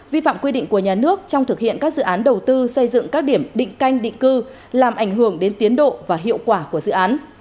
vi phạm quy định của nhà nước trong thực hiện các dự án đầu tư xây dựng các điểm định canh định cư làm ảnh hưởng đến tiến độ và hiệu quả của dự án